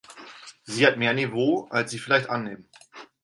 Sie hat mehr Niveau, als Sie vielleicht annehmen.